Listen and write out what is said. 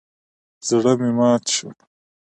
زړه مې مات شو.